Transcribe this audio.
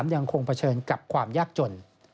ยังคงเผชิญกับความยากจน